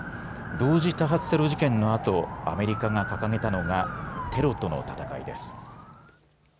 同時多発テロ事件のあとアメリカが掲げたのがテロとの戦いです。